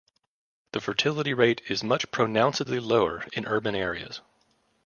The fertility rate is much pronouncedly lower in urban areas.